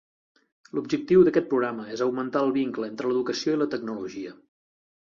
L'objectiu d'aquest programa és augmentar el vincle entre l'educació i la tecnologia.